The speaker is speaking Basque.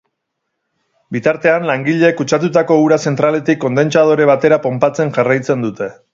Bitartean, langileek kutsatutako ura zentraletik kondentsadore batera ponpatzen jarraitzen dute.